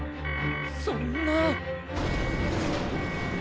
そんな！